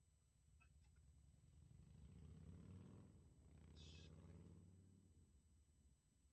matumizi ya dawa ili kuibusha raha au kuepusha usumbufu